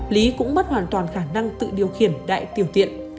lý cũng mất hoàn toàn khả năng tự điều khiển đại tiểu tiện